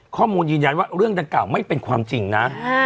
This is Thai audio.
ข้อมูลยืนยันว่าเรื่องดังกล่าวไม่เป็นความจริงนะ